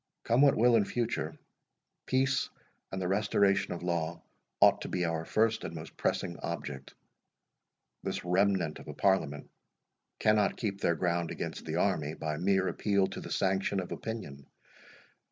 Come what will in future, peace and the restoration of law ought to be our first and most pressing object. This remnant of a parliament cannot keep their ground against the army, by mere appeal to the sanction of opinion.